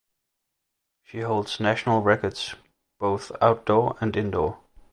She holds national records both outdoor and indoor.